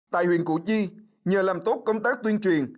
tại huyện củ chi nhờ làm tốt công tác tuyên truyền